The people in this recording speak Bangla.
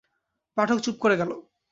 পাঠক চুপ করে গেল।